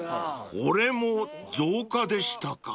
［これも造花でしたか］